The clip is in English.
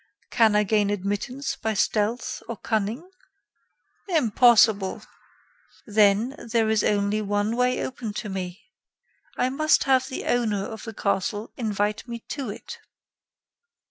"Can I gain admittance by stealth or cunning?" "Impossible." "Then there is only one way open to me. I must have the owner of the castle invite me to it."